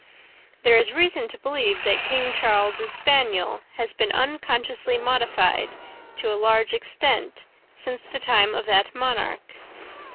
There is reason to believe that King Charles' spaniel has been unconsciously modified to a large extent since the time of that monarch.